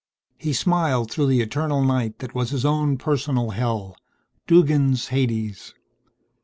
He smiled through the eternal night that was his own personal hell. Duggan's Hades.